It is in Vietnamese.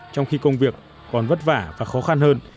trong khi công việc còn vất vả và khó khăn hơn